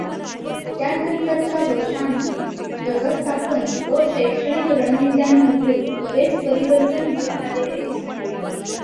त्यानंतरच्या वर्षांत व्यवस्थापन व शैक्षणिक रणनीत्यांमध्ये बरेच परिवर्तन घडून आलेले दिसते.